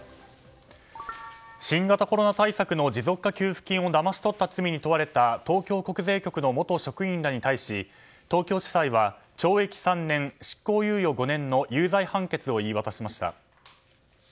新型コロナ対策の持続化給付金をだまし取った罪に問われた東京国税局の元職員らに対し東京地裁は懲役３年、執行猶予５年の有罪判決を言い渡しました。